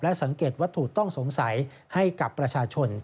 สังเกตวัตถุต้องสงสัยให้กับประชาชน